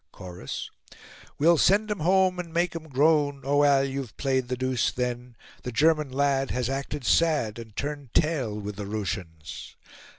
Chorus: "We'll send him home and make him groan, Oh, Al! you've played the deuce then; The German lad has acted sad And turned tail with the Russians."